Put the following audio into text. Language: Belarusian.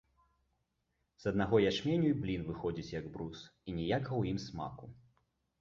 З аднаго ячменю й блін выходзіць як брус, і ніякага ў ім смаку.